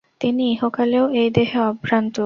তিনি ইহকালেও এই দেহে অভ্রান্ত।